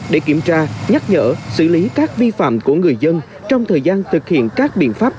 để kiểm tra nhắc nhở xử lý các vi phạm của người dân trong thời gian thực hiện các biện pháp